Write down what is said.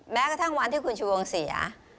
แม้กระทั่งวันที่คุณชูวงเสีย